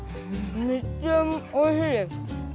めっちゃおいしいです！